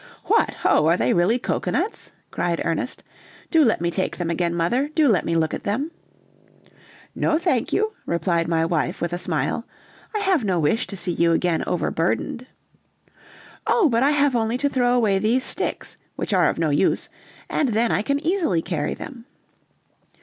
"What? ho! are they really cocoanuts?" cried Ernest. "Do let me take them again, mother, do let me look at them." "No, thank you," replied my wife with a smile. "I have no wish to see you again overburdened." "Oh, but I have only to throw away these sticks, which are of no use, and then I can easily carry them."